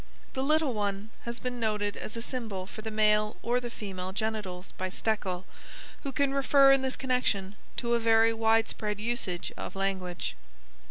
The "little one" has been noted as a symbol for the male or the female genitals by Stekel, who can refer in this connection to a very widespread usage of language.